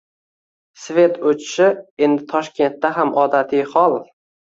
“Svet” o‘chishi – endi Toshkentda ham odatiy hol